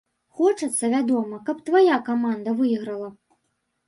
Хочацца, вядома, каб твая каманда выйграла.